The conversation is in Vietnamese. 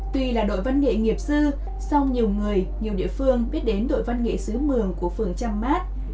tùy là đội văn nghệ nghiệp sư sau nhiều người nhiều địa phương biết đến đội văn nghệ sứ mường của phường trăm mát